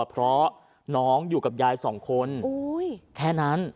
เพราะน้องอยู่กับยายสองคนแค่นั้น